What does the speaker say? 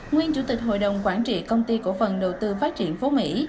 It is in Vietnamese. nguyên chủ tịch hội đồng quản trị công ty cổ phần đầu tư phát triển phú mỹ